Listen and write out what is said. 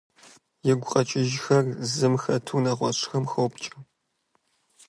И гукъэкӀыжхэр зым хэту нэгъуэщӀым хопкӀэ.